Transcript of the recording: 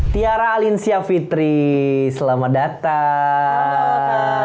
tiara alinsya fitri selamat datang